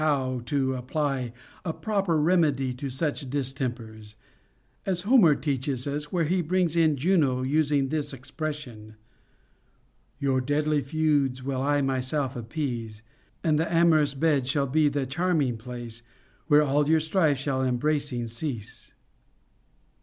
501 how to apply a proper remedy to such distempers ; as Homer te pression : Homer teaches us, where he brings in Juno using this ex Your deadly feuds will I myself appease, And th' amorous bed shall be the charming place Where all your strife shall in embracing cease.